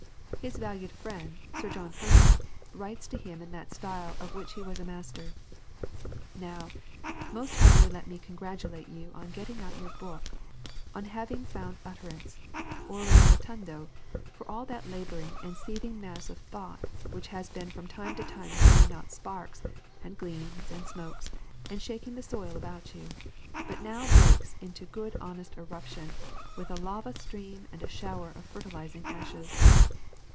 His valued friend, Sir John Herschel, writes to him in that style of which he was a master: "Now, most heartily let me congratulate you on getting out your book on having found utterance, ore rotundo, for all that labouring and seething mass of thought which has been from time to time sending out sparks, and gleams, and smokes, and shaking the soil about you; but now breaks into a good honest eruption, with a lava stream and a shower of fertilizing ashes.